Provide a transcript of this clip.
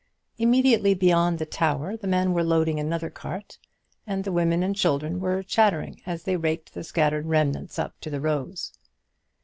Immediately beyond the tower the men were loading another cart, and the women and children were chattering as they raked the scattered remnants up to the rows.